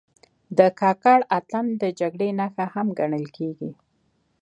د کاکړ اتن د جګړې نښه هم ګڼل کېږي.